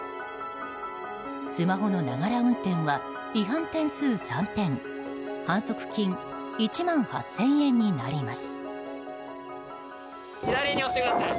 スマホのながら運転は違反点数３点反則金１万８０００円になります。